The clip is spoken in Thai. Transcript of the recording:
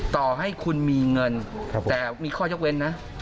ต่อให้คุณมีเงินแต่มีข้อยกเว้นนะ